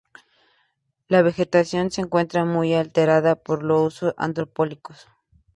La vegetación se encuentra muy alterada por los usos antrópicos.